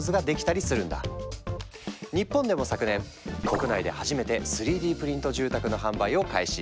日本でも昨年国内で初めて３Ｄプリント住宅の販売を開始。